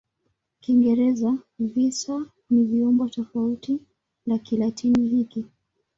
Kiingereza "visa" ni umbo tofauti la Kilatini hiki.